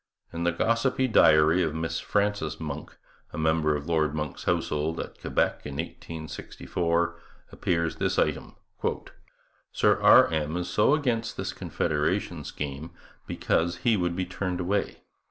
In the gossipy diary of Miss Frances Monck, a member of Lord Monck's household at Quebec in 1864, appears this item: 'Sir R. M. is so against this confederation scheme because he would be turned away.